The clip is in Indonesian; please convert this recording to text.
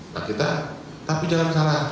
nah kita tapi jangan salah